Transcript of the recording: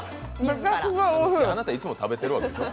あなたいつも食べてるわけでしょ。